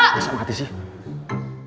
masa mati sih